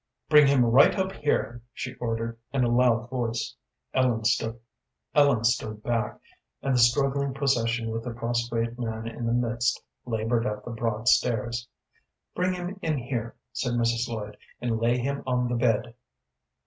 "Bring him right up here," she ordered, in a loud voice. Ellen stood back, and the struggling procession with the prostrate man in the midst labored up the broad stairs. "Bring him in here," said Mrs. Lloyd, "and lay him on the bed."